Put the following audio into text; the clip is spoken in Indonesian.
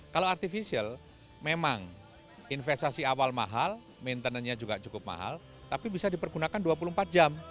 kalau artificial memang investasi awal mahal maintenannya juga cukup mahal tapi bisa dipergunakan dua puluh empat jam